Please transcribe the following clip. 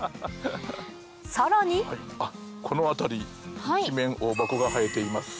さらにこの辺り一面オオバコが生えています。